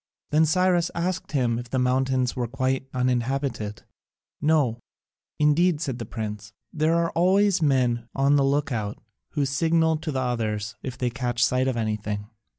Then Cyrus asked him if the mountains were quite uninhabited. "No, indeed," said the prince, "there are always men on the look out, who signal to the others if they catch sight of anything."